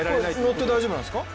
乗って大丈夫なんですか？